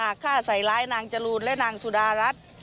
ฆ่าใส่ร้ายนางจรูนและนางสุดารัฐ